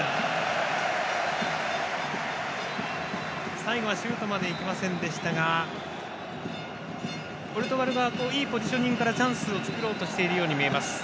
最後はシュートまでいきませんでしたがポルトガルがいいポジショニングからチャンスを作ろうとしているように見えます。